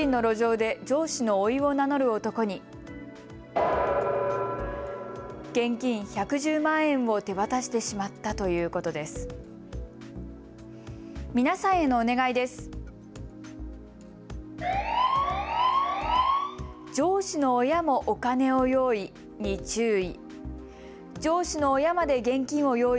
上司の親もお金を用意に注意。